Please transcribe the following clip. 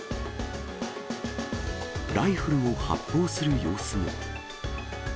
ライフルを発砲する様子も。